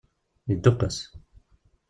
Yedduqqes.